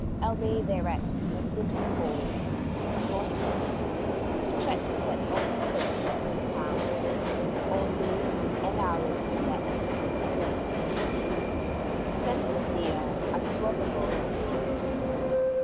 Albeit thereat my footing holds, nor slips, The threats of that Omnipotence confound All days and hours of gladness, girt around With sense of near, unswervable eclipse.